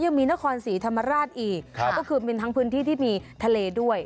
ยังมีนครศรีธรรมราชอีกก็คือมีทั้งพื้นที่ที่มีทะเลด้วย